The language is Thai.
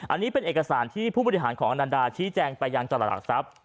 อันนี้เป็นเอกสารที่ผู้บุริษัทของอชิเจงไปยันต์จรหลักทรัพย์